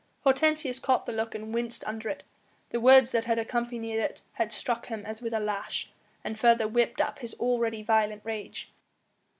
Hortensius caught the look and winced under it; the words that had accompanied it had struck him as with a lash, and further whipped up his already violent rage.